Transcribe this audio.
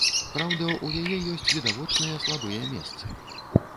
Праўда, у яе ёсць відавочныя слабыя месцы.